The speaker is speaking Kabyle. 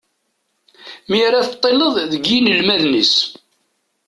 Mi ara teṭṭileḍ deg yinelmaden-is.